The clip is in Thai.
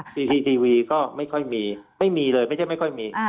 ทีทีวีก็ไม่ค่อยมีไม่มีเลยไม่ใช่ไม่ค่อยมี